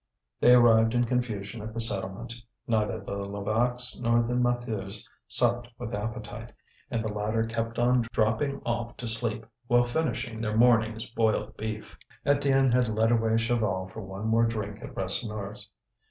They arrived in confusion at the settlement. Neither the Levaques nor the Maheus supped with appetite, and the latter kept on dropping off to sleep while finishing their morning's boiled beef. Étienne had led away Chaval for one more drink at Rasseneur's.